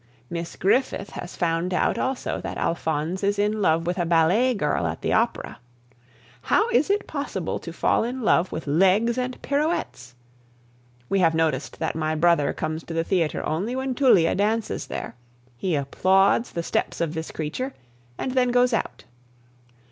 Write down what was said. Miss Griffith has found out also that Alphonse is in love with a ballet girl at the Opera. How is it possible to fall in love with legs and pirouettes? We have noticed that my brother comes to the theatre only when Tullia dances there; he applauds the steps of this creature, and then goes out.